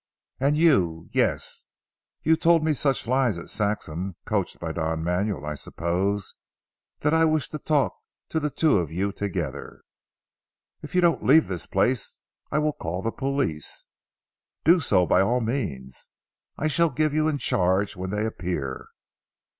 "And you. Yes. You told me such lies at Saxham, coached by Don Manuel I suppose, that I wish to talk to the two of you together." "If you don't leave this place I will call the police." "Do so by all means. I shall give you in charge when they appear.